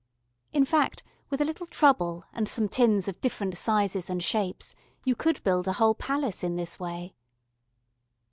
In fact, with a little trouble and some tins of different sizes and shapes you could build a whole palace in this way.